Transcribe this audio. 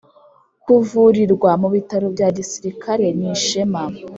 kuvurirwa mu bitaro bya gisirikare nishema